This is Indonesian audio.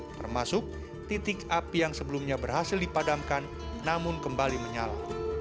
termasuk titik api yang sebelumnya berhasil dipadamkan namun kembali menyala